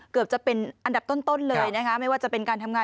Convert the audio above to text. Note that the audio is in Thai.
เกือบจะเป็นอันดับต้นเลยนะคะไม่ว่าจะเป็นการทำงาน